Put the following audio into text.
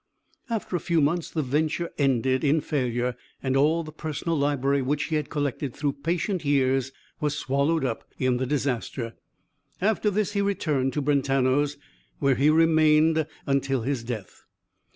After a few months the venture ended in failure, and all the personal library which he had collected through patient years was swallowed up in the disaster. After this he returned to Brentano's, where he remained until his death.